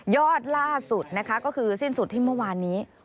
อดล่าสุดนะคะก็คือสิ้นสุดที่เมื่อวานนี้